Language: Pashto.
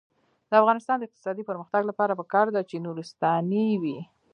د افغانستان د اقتصادي پرمختګ لپاره پکار ده چې نورستاني وي.